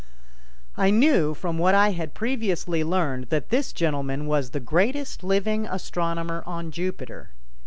I knew from what I had previously learned that this gentleman was the greatest living astronomer on Jupiter.